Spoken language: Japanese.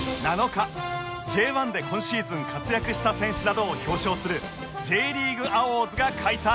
７日 Ｊ１ で今シーズン活躍した選手などを表彰する Ｊ．ＬＥＡＧＵＥＡＷＡＲＤＳ が開催